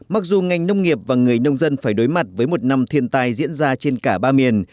mặc dù ngành nông nghiệp và người nông dân phải đối mặt với một năm thiên tai diễn ra trên cả ba miền